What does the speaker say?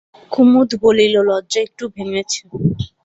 কুমুদ বলিল, লজ্জা একটু ভেঙেছে।